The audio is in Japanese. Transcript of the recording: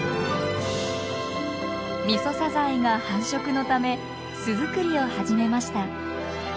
ミソサザイが繁殖のため巣づくりを始めました。